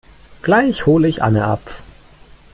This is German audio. Gleich hole ich Anne ab.